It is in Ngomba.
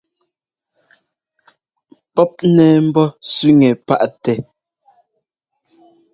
Pɔ́p nɛ mbɔ́ nzúʼnɛ paʼtɛ.